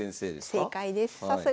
正解です。